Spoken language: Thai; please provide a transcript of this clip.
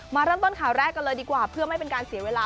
มาเริ่มต้นข่าวแรกกันเลยดีกว่าเพื่อไม่เป็นการเสียเวลา